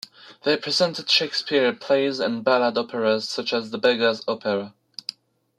They presented Shakespeare plays and ballad operas such as "The Beggar's Opera".